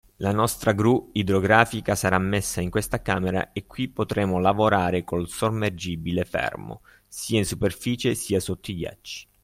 La nostra gru idrografica sarà messa in questa camera e qui potremo lavorare col sommergibile fermo, sia in superficie sia sotto i ghiacci.